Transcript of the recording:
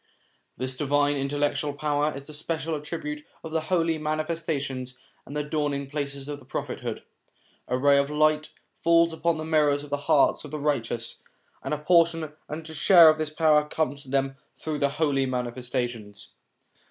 This divine intellectual power is the special attribute of the Holy Manifestations and the Dawning places of prophethood; a ray of this light falls upon the mirrors of the hearts of the righteous, and a portion and a share of this power comes to them through the Holy Manifestations.